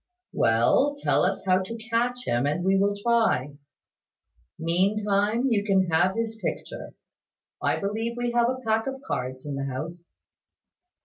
"Well; tell us how to catch him, and we will try. Meantime, you can have his picture. I believe we have a pack of cards in the house."